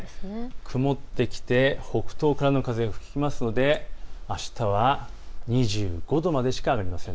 曇ってきて北東からの風が吹きますのであしたは２５度までしか上がりません。